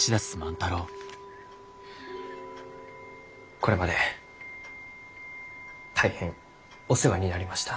これまで大変お世話になりました。